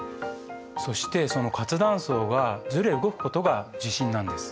そしてその活断層がずれ動くことが地震なんです。